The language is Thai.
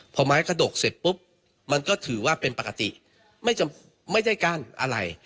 พอไม้กระดกเสร็จปุ๊บมันก็ถือว่าเป็นปกติไม่ได้กั้นอะไร